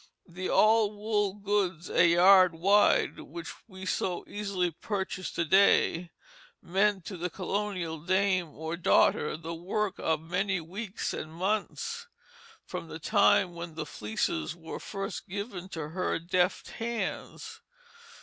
The "all wool goods a yard wide," which we so easily purchase to day, meant to the colonial dame or daughter the work of many weeks and months, from the time when the fleeces were first given to her deft hands.